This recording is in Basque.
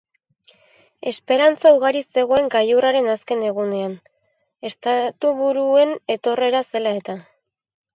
Esperantza ugari zegoen gailurraren azken egunean, estatuburuen etorrera zela eta.